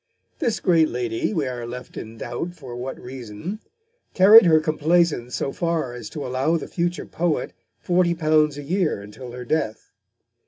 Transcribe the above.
This great lady, we are left in doubt for what reason, carried her complaisance so far as to allow the future poet £40 a year until her death.